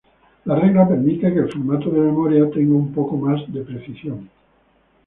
La regla permite que el formato de memoria tenga un poco más de precisión.